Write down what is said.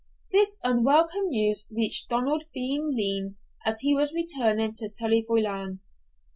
This unwelcome news reached Donald Bean Lean as he was returning to Tully Veolan.